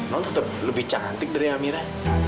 non tetap lebih cantik dari amerika